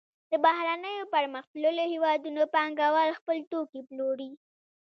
د بهرنیو پرمختللو هېوادونو پانګوال خپل توکي پلوري